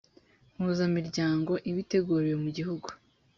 mpuzamiryango iba iteguriwe mu gihugu